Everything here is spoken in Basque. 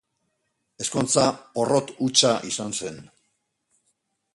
Ezkontza porrot hutsa izan zen.